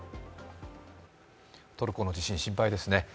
トルコの地震心配ですね。